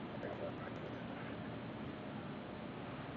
Soda kali.